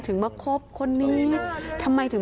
ข้าไม่ชวนลูกเรามาทุก